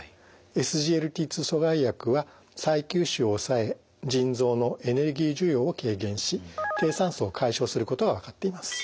２阻害薬は再吸収を抑え腎臓のエネルギー需要を軽減し低酸素を解消することが分かっています。